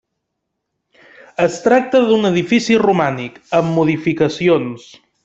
Es tracta d'un edifici romànic, amb modificacions.